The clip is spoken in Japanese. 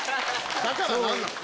だから何なの？